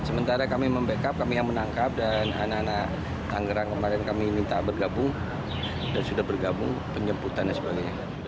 sementara kami membackup kami yang menangkap dan anak anak tanggerang kemarin kami minta bergabung dan sudah bergabung penjemputan dan sebagainya